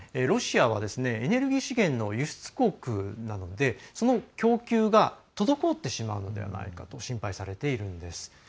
ロシアは、エネルギー資源の輸出国なのでその供給が滞ってしまうのではないかと心配されているんです。